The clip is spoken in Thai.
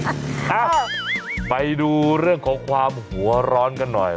เอ้าไปดูเรื่องของความหัวร้อนกันหน่อย